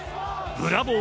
ブラボー！